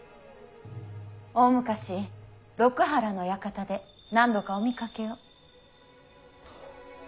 大昔六波羅の館で何度かお見かけを。